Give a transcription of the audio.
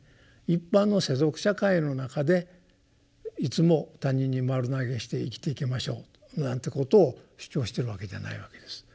一般の世俗社会の中でいつも他人に丸投げして生きていきましょうなんてことを主張しているわけじゃないわけです。